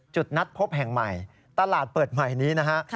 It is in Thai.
จุดนัดพบแห่งใหม่ตลาดเปิดใหม่นี้นะฮะ